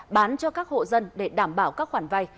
bán cho các hộ dân để đảm bảo các khoản vay